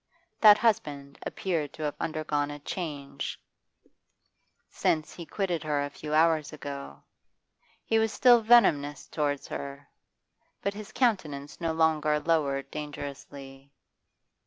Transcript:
That husband appeared to have undergone a change since lie quitted her a few hours ago. He was still venomous towards her, but his countenance no longer lowered dangerously.